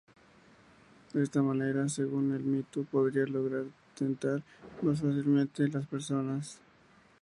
De esta manera, según el mito, podría lograr tentar más fácilmente a las personas.